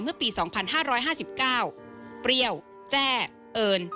ไม่ได้ตั้งใจ